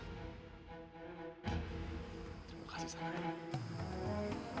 terima kasih alang